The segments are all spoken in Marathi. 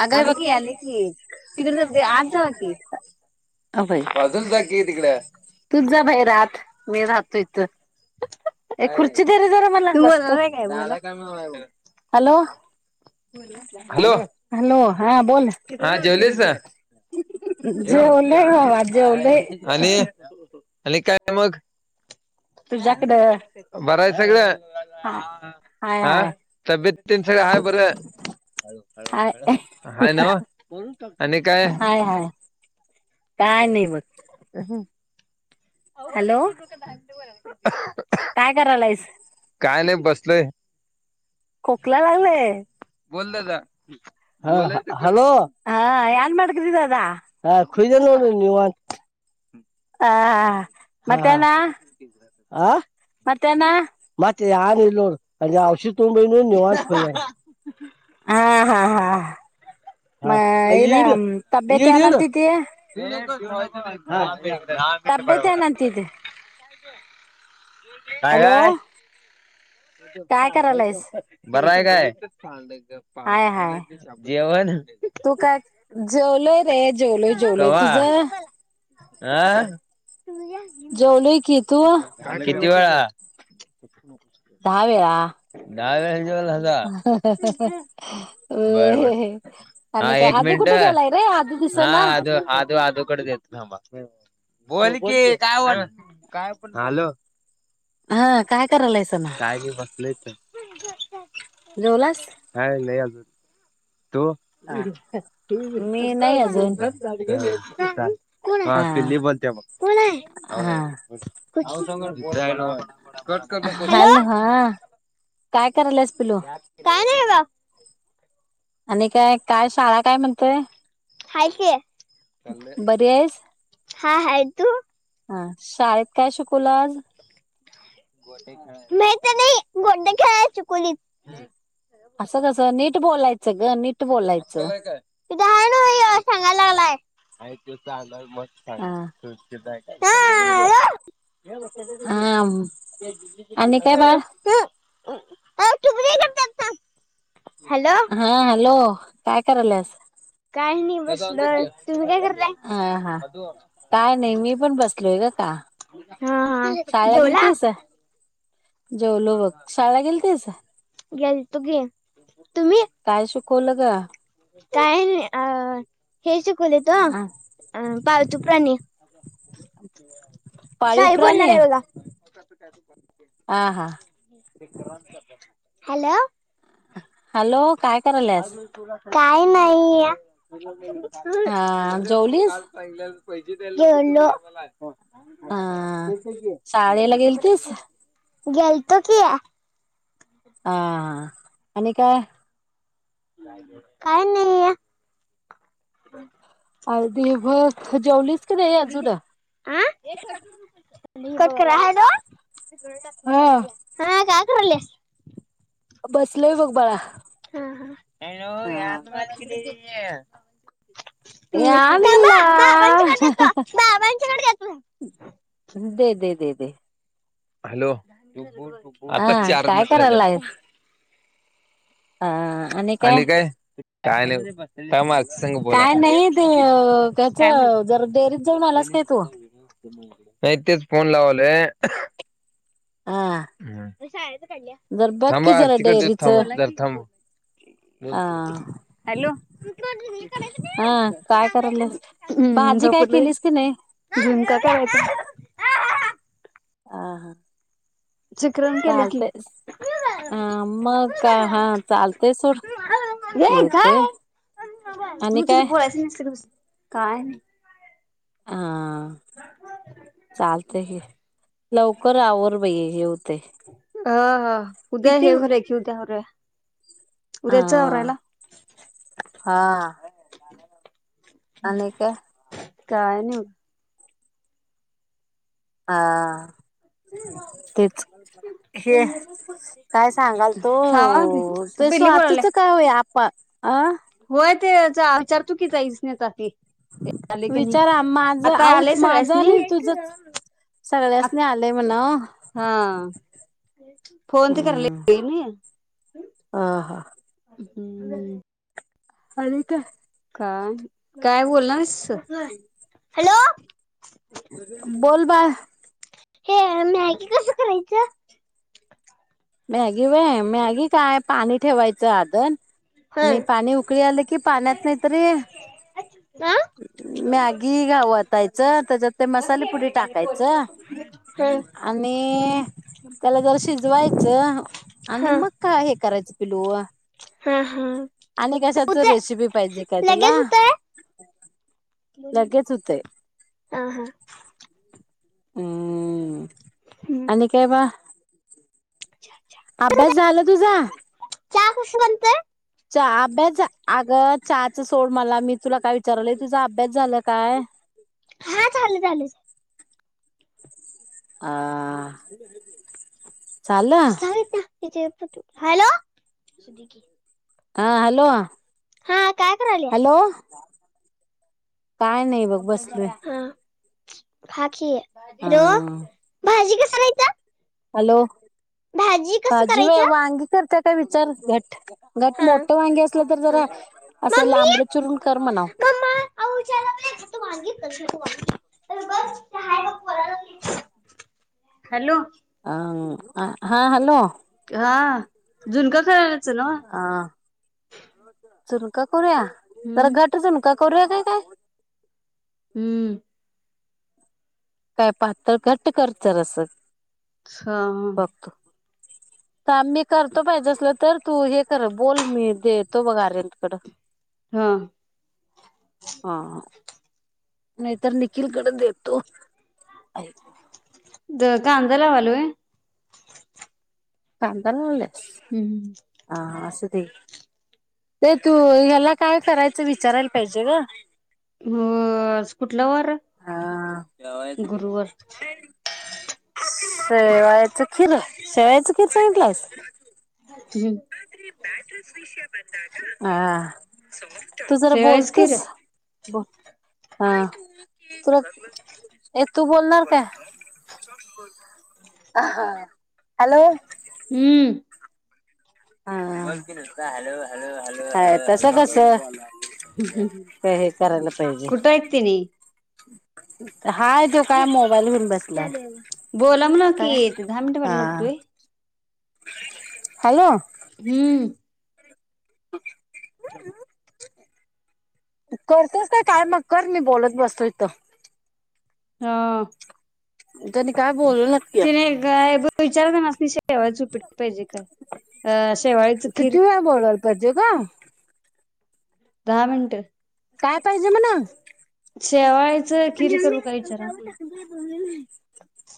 अगं हे बघ की आले की, तिकडे जावा की आत जावा की. अग बाई अजून जा की तिकडे तूच जा भाईर आत, मी राहतो इथ एक खुर्ची देरे जरा मला तू बसतो. बोलणार आहे बोला दादा काय महनालाय बघ हॅलो. हॅलो हॅलो हा बोलकाय जेवलीस का जेवलो. आणि आणि काय मग तुझ्याकडं बरं आहे. सगळं हा हाय ह हाय तब्येत सगळं आय बर. हाय हा हं हं. आणि काय. काय नाही बघ हॅलो [unintelligible] ह्अ काय करालायसं? काय नाही बसलोय खोकला लागलय बोल दादा हा. हॅलो हा यानं माडती दादा हा खुईदन वाई निवांत ह् हा हा मटनां आं म यानलो म्हणजे औश तुंबई न निवास हा हा हा म तब्येत यानंततय [unintelligible] तब्येत नंत दितं [unintelligible] काय काय काय करायलायस बरं आहे काय कांदे हाय हाय [inaudible] जेवण तू काय जेवलोय रे जेवलोय जेवलोय कवा तुझं हा जेवलोय कि तू हाह दहा वेळा दहा वेळा जेवला होता ह् ह् ह् बर बर व्हंय हा अणी काय एक अदू मिनिट कुठं गेलाय रे अदू दिसना. अदू कडं देतो थांबा बोल कि काय वाट ह् हॅलो ह् काय करायलायस ना काय गे बसलोय इथं ह् जेवलास हाय नाही अजून तू मी नाही अजून हा पिंल्ली बोलतीया हा बघ कट करू नको हॅलो हा का काय नाही. आणि काय काय शाळा काय म्हणतय. खाय क. बर आहेस. हा हयेतो. हा शाळेत काय शिकवल आज माहत नाही गोडडे खेळाय चुकुलीत. असं कसं नीट बोलायचं ग नीट अक्कल बोलायचं. आहे त हा चाग म... ां हा [inaudible] आणि काय बाळ. ता [inaudible] हा हॅलो. काय करायलस. काय नाही बस तुम्ही काय करताय हा हा काय नाही मी पण बसलोय ग का हा ह शाळेला ठेवला. गेलतीस जेवलो बघ शाळा गेल तेचा... ग्या तो गे तुम्ही. काय सुिकवलं ग. काय नाही अ... हे शिकवले त अ पावचू प्राणी... ते [unintelligible] पाळीव शाही बोलणार प्राणी आहे बघा. हा हा हॅलो. हॅलो काय करालस. काय नाही या... हा अरे जेवलीस काल पाहिलं. हि... लाग... ह शाळेला गेल तेस गेलतो कि आहे. हा हा. आणि काय काय नाही या हो अर्धी बघ जेवलीस अ की नाही अजून कट करा हॅलो हा काय करायलीस बसलोय बघ बाळा हॅलो अ यान वाढती यानिला हम् बाबांच्याकडे देतो बाबांच्याकडे देतो दे दे दे हॅलो हा आता चार काय मिनट झाले करायलायस ह आणि काय काय नाही काय मारसघ काय बोलाता नाही ते त्याच काय मग जरा डेअरीत जाऊन आलास काय तू नाही तेच फोन लावलोय. हा जर बघ की थांबा जरा अतिकड डेअरीच थांब अ हा थांब. हॅलो हा काय करायलास हम भाजी काय झोपलोय केलीस की नाही झुणका करायच. आ हा... शिकरण केले की चालतय काय अ मग का हा चालतय सोड येवतय आणि मी काय तसं बोलायचं नाहीस. काय? हा चालतंय हे लवकर आवर बाई हे होतंय. अ उद्या हे भरूया की उद्या भरूया हा उद्याच आवरायला हा. आणि काय? काय नाही. हा. तेच हे काय सांगाल तो थांबा की त पिल्ली बोलाल्या स्वातीच काय हो? फार आ होय ते चार चार चुकीचा आहेच चार चाकी आले की नाही? विचारा माझं आता आलेय आऊच माझं सगळ्यासनी आणि तुझंच सगळ्यासनी आलंय म्हणावं हा फोन ते करायला येतंय नी. हा हा. हम्म. आणि काय? का? काय बोलणाराइस? हॅलो. बोल बाळ हे मॅगी कसं करायचं? मॅगी होय मॅगी काय पाणी ठेवायचं आदन. हा आणि पाणी उकळी आले कि पाण्यात नाहीतरी मॅगी व ताईचं त्याच्यात ते मसालेपुडी टाकायचं हा हा आणि त्याला जर शिजवायच तर आणि मग काय? [unintelligible] हा हा आणि कशाच रेसिपी पाहिजे काय तुला लगेच होते हम आणि काय बाळ अभ्यास झाला तुझा.. चहा कसा बनतोय? चहा अभ्यास अगं चहाचं सोड मला मी तुला काय विचारालोय तुझा अभ्यास झाला काय? हा झालं झालं आ... [unintelligible] हॅलो. हा हॅलो हा काय करायल्या हॅलो. काय नाही बघ बसलोय. खा की ह हॅलो भाजी [unintelligible] चलायचं हॅलो भाजी व्हय करायचं वांग करत्यात. काय विचार [unintelligible] [inaudible] हा मोठ वांगी असलं तर हा जरा मम्मी लांबड चिरून कर म्हणाव. मम्मा अहो विचारायला लागले तू वांगी कर तू वांगी तर बघ ते हाय बघ पोराला हॅलो. अ हा हॅलो. हा झुणका कर. हा. झुणका. करूया जरा हम्म घट्टच का करूया काय काय? [unintelligible] हम्म. काय पातळ घट्ट कर जरासं. अच्छा. [unintelligible] काम मी करतो पाहिजे असल तर तू हे कर बोल मी देतो बघ आर्यनकडं. हा [unintelligible] नाहीतर निखिलकडे देतो. द का अांधालावालूय [unintelligible] पांंतलाले [unintelligible] हा.. हा.. असं ते ते तू ह्याला काय करायचं? विचारायला पाहिजे ग.. हो..... आज कुठला वार हा हाय? गुरुवार. शे.. वयाच.. खीर.. शेवयाच खीर सांगितलंस? हूं बॅटरी [unintelligible] तू जरा शेवाळीच की बोलतोस? र ब.. हा.. तुला ये तू बोलणार का? हॅलो... हूं. हा.. हा.. बोल. की... नुसता हॅलो.. हॅलो.. हा.. हा.. [inaudible] तस कस कुठं का हे करायला पाहिजे. आहेत तिने हाय, तो काय मोबाईल घेऊन बसलाय. बोला मनाव कि काय ते दहा मिनिट हा होयला नको होय. हॅलो.. हम्म. ह [inaudible] [inaudible] करतोयस का काय मग, कर मी बोलत बसतोय हित. हा. जनी का. तिने गायब. विचारता नस शेवाळच उप्पीट पाहिजे काय? अं शेवाळेचं खीर. भजे ग. दहा मिनटं. काय पाहिजे म्हण. शेवाय. खीर करू का विचारा?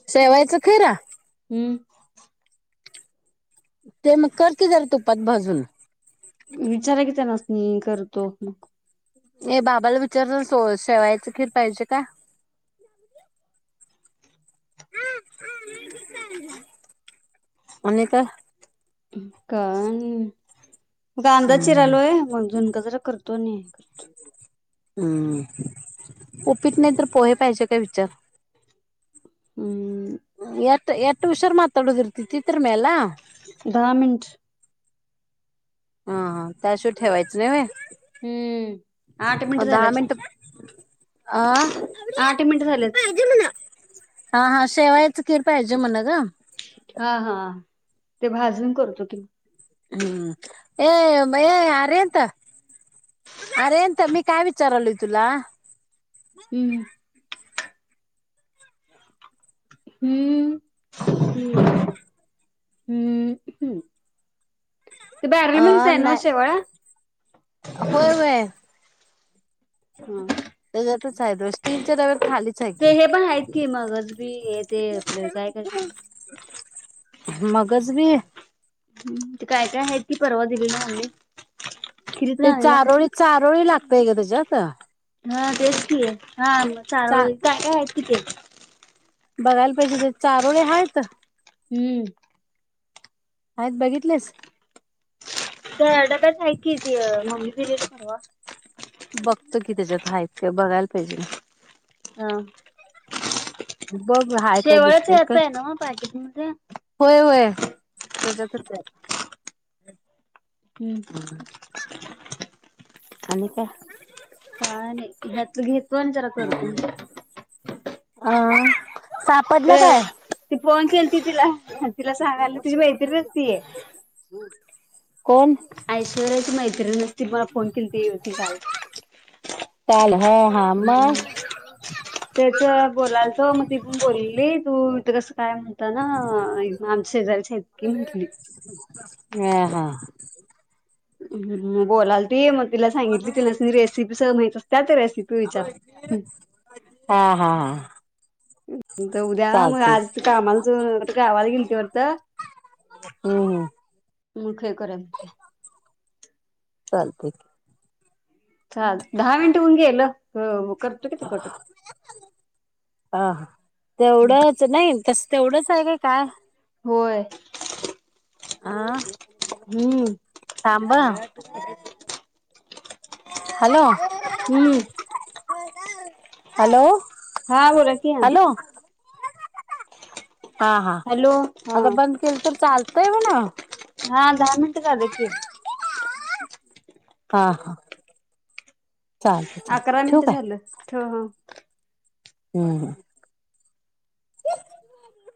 शेवायचं खीर. हम्म. ते मग कर की जरा तुपात भाजून. विचाराय की त्यांनास नी करतो मग. ए बाबाला विचार सो.. शेवायचं खीर पाहिजे का? हा ह [inaudible] आनी का. कान. कांदा हम्म चिरालोय मग झुनग जरा करत. कणी. हम्म उपीट नाही तर पोहे पाहिजे काय विचार. हम्म. एट एट हर्षार मााताडूद इर्ती तिित्र मेला.... दहा मिनट. हा हा त्याशिवाय ठेवायच नाही होय. हम्म आठ मिनट झालंच. आ... आठ मिनट झालेच. हा हा शेवायाचं खीर पाहिजे म्हण ग. हा हा ते भाजून करतो की मी. हम्म ये बये अरिहंत अरिहंत मी काय विचारल तुला... हम्म. हम्म ह् हम्म. हम्म ते बॅरल मध्येच अ आहेत ना नाही शेवया होय वय... हा. त्याच्यातच आहे बघ स्टील च्या डब्यात खालीच आहे ते की हे पण आहेत की मगस बी हे ते आपलं काय काय. मगच बी ते काय काय आहेत की परवा दिली ना आम्ही खीरीत घालायला. [inaudible] तेज्यात हा तेच की हां मग चारव चा काय काय आहेत की ते बघायला पाहिजे ते चारोळे हाईत हम्म. आहेत बघितलेस. ते डब्यात हा काय की [inaudible] [unintelligible] बघतो की त्याच्यात हायत काय बघायला पाहिजे. हा. बघ हाय काय दिसत शेवाळाच का ह्याच आहे ना मग पॅकेट मध्ये होय होय. त्याच्यातच हाय आणि काय [inaudible] तु घे. हा अ. हम् [unintelligible] ते ती फोन केलती तिला - तिला सांगायला तीझी मैत्रीणच तीये. कोण ऐश्वर्याची मैत्रिण. ति मला फोन केलती होती काल चाल हा हा मग हम्म त्याचं बोलाल तो मग तितून बोलली तू ते कसं? काय म्हणता ना आमची शेजारची हाय ईतली म्हंटली. [unintelligible] हा हम्म बोलालती मग तीला सांगितली तिलस्नी रेसिपी स माहित असत्यात रेसिपी विचार हा हं - हं-हं तर उद्या मग आज कामाला जा गावाला गेलती वाटतं. हम्म हम्म. मुळ खे कराय म्हटले. चालतंय चाल दहा मिनिटं होऊन गेलं. करतो की ते कट अह तेवढंच नाही तस तेवढंच आहे की काय. होय आ हम्म थांबा? हॅलो हम्म हॅलो हा बोला की आ हॅलो हा हा हॅलो हा आता बंद केल्तर चाल. कई वूना? हा दहा मनिट झालं की. हा हा चालते चालते ठीवू काय? हं हं हम्म